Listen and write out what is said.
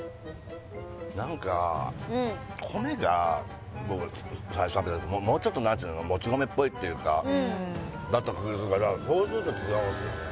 何か米が僕最初食べた時もうちょっと何ていうのっていうかだった気がするからそうすると違うんですよ